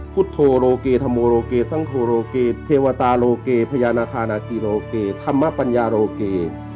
พุทธโธโลเกธรโมโลเกสังโทโรเกเทวตาโลเกพญานาคานาคีโลเกธรรมปัญญาโรเก